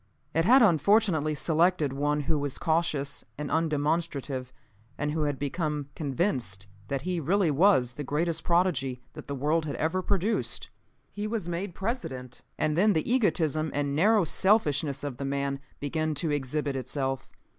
It had unfortunately selected one who was cautious and undemonstrative, and who had become convinced that he really was the greatest prodigy that the world had ever produced. "He was made President, and then the egotism and narrow selfishness of the man began to exhibit itself.